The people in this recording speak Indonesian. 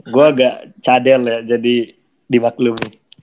gue agak cadel ya jadi dimaklum nih